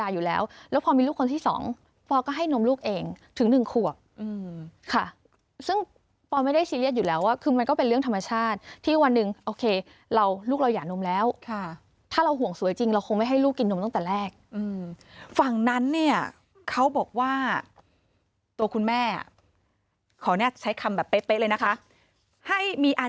อยู่แล้วแล้วพอมีลูกคนที่สองปอก็ให้นมลูกเองถึงหนึ่งขวบค่ะซึ่งปอไม่ได้ซีเรียสอยู่แล้วว่าคือมันก็เป็นเรื่องธรรมชาติที่วันหนึ่งโอเคเราลูกเราหย่านมแล้วค่ะถ้าเราห่วงสวยจริงเราคงไม่ให้ลูกกินนมตั้งแต่แรกฝั่งนั้นเนี่ยเขาบอกว่าตัวคุณแม่ขออนุญาตใช้คำแบบเป๊ะเลยนะคะให้มีอัน